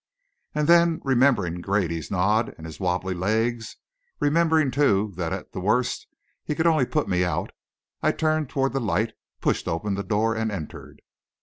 And then, remembering Grady's nod and his wobbly legs remembering, too, that, at the worst, he could only put me out! I turned toward the light, pushed open the door and entered.